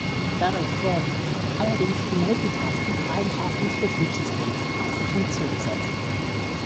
Dadurch wurden allerdings die Multitasking-Eigenschaften des Betriebssystems außer Funktion gesetzt.